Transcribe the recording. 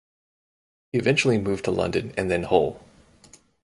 He eventually moved to London and then Hull.